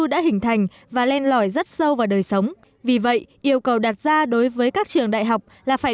đã hình thành và len lỏi rất sâu vào đời sống vì vậy yêu cầu đặt ra đối với các trường đại học là phải